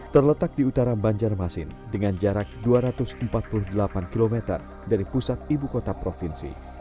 terletak di utara banjarmasin dengan jarak dua ratus empat puluh delapan km dari pusat ibu kota provinsi